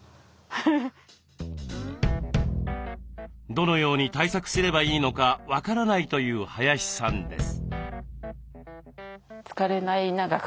どのように対策すればいいのか分からないという林さんです。